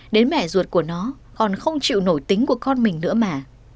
đến mẹ ruột của nó còn không chịu nổi tính của con mình nữa mà